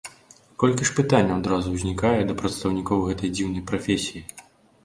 Колькі ж пытанняў адразу узнікае да прадстаўнікоў гэтай дзіўнай прафесіі.